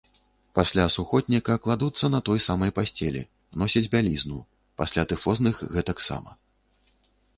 Пасля сухотніка кладуцца на той самай пасцелі, носяць бялізну, пасля тыфозных гэтаксама.